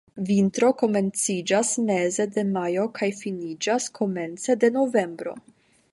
Vintro komenciĝas meze de majo kaj finiĝas komence de novembro.